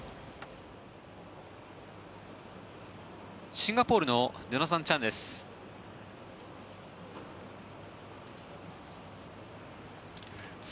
シンガポールのジョナサン・チャンです。